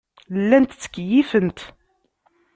Llant ttkeyyifent.